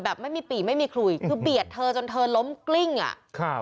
แบบไม่มีปีไม่มีขุยคือเบียดเธอจนเธอล้มกลิ้งอะ